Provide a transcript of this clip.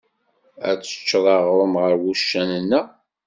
Ad teččeḍ aɣrum ger wuccanen-a?